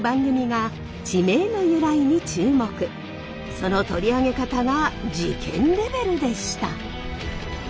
その取り上げ方が事件レベルでした。